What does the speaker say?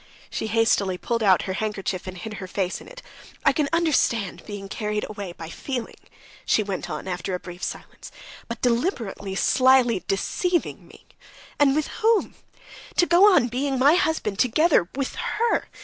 She hastily pulled out her handkerchief and hid her face in it. "I can understand being carried away by feeling," she went on after a brief silence, "but deliberately, slyly deceiving me ... and with whom?... To go on being my husband together with her